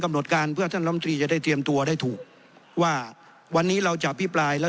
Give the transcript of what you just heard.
หดการเพื่อท่านลำตรีจะได้เตรียมตัวได้ถูกว่าวันนี้เราจะอภิปรายแล้ว